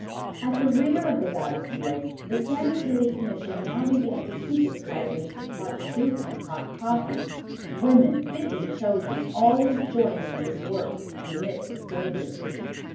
At the rear of the battle fields the Sanitary Commission now began to keep its wagons with hot soup and hot coffee, women, fitly chosen, always joining in this work, in the midst of danger.